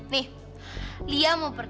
nih lia mau pergi